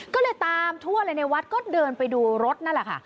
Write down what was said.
ก็เลยตามทั่วเลยในวัดก็เดินไปดูรถนั่นแหละค่ะ